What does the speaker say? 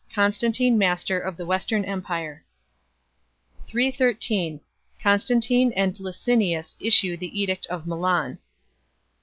Constantino master of the Western empire. 313 Constantine and Licinius issue the Edict of Milan.